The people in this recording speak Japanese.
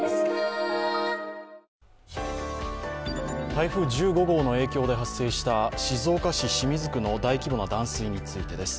台風１５号の影響で発生した静岡市清水区の大規模な断水についてです。